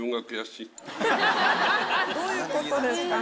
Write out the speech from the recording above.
どういうことですか？